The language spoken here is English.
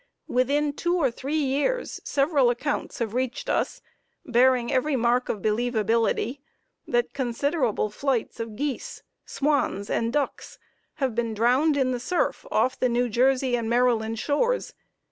Within two or three years several accounts have reached us, bearing every mark of believability, that considerable flights of geese, swans and ducks have been drowned in the surf off the New Jersey and Maryland shores.